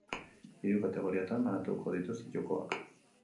Hiru kategoriatan banatuko dituzte jokoak